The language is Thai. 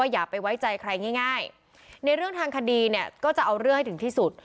อย่าไปไว้ใจใครง่ายในเรื่องทางคดีเนี่ยก็จะเอาเรื่องให้ถึงที่สุด